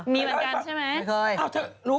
มีเหมือนกันใช่ไหม